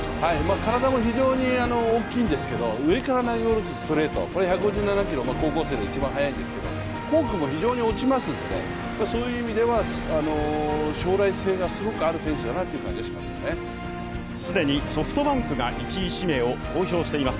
体も非常に大きいんですけど、上から投げ下ろすストレート、１５７キロ、高校生で一番速いんですけどフォークも非常に落ちますのでそういう意味では将来性がすごくある選手だなという感じがします。